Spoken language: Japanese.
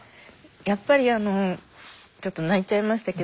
やっぱりあのちょっと泣いちゃいましたけど